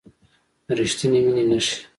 د ریښتینې مینې نښې